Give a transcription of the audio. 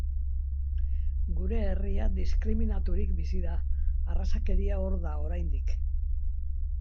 Gure herria diskriminaturik bizi da, arrazakeria hor da oraindik.